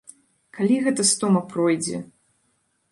Калі гэта стома пройдзе?